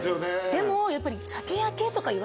でもやっぱり。